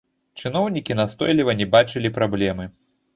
Чыноўнікі настойліва не бачылі праблемы.